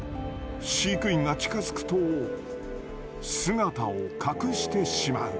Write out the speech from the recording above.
飼育員が近づくと姿を隠してしまう。